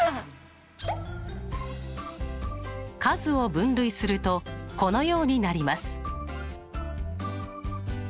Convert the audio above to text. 数を分類するとこのようになります。